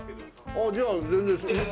ああじゃあ全然それで。